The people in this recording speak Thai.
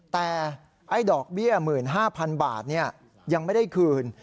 แต่ไอ้ดอกเบี้ย๑๕๐๐๐บาทยังไม่ได้คืน